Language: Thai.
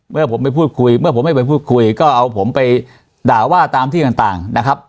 เมื่อผมไปพูดคุยเมื่อผมไม่ไปพูดคุยก็เอาผมไปด่าว่าตามที่ต่างนะครับ